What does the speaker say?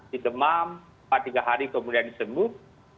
di demam empat tiga hari kemudian sembuh